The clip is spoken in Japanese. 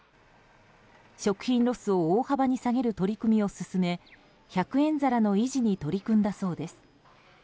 食品ロスを大幅に下げる取り組みを進め１００円皿の維持に取り組んだそうです。